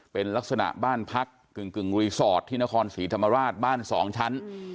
เป็นลักษณะบ้านพักกึ่งรีสอร์ทที่นครศรีธรรมราชบ้านสองชั้น